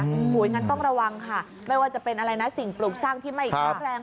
โอ้โหอย่างนั้นต้องระวังค่ะไม่ว่าจะเป็นอะไรนะสิ่งปลูกสร้างที่ไม่แข็งแรง